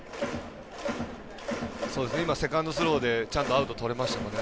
セカンドにスローでちゃんとアウトとれましたもんね。